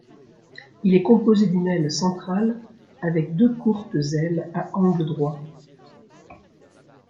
Il est composé d'une aile centrale avec deux courtes ailes à angle droit.